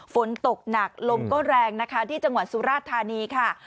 ฝนตกหนักลมก็แรงนะคะที่จังหวัดสุราธานีค่ะ